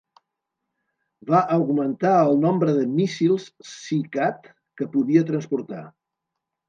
Va augmentar el nombre de míssils SeaCat que podia transportar.